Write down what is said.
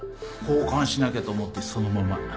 交換しなきゃと思ってそのまま。